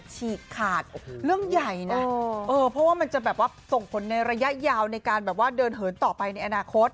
ฉีกขาดเรื่องใหญ่นะเพราะว่ามันจะแบบว่าส่งผลในระยะยาวในการแบบว่าเดินเหินต่อไปในอนาคต